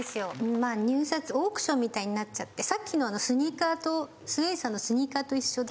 まあ入札オークションみたいになっちゃってさっきのあのスニーカーとＳＷＡＹさんのスニーカーと一緒で。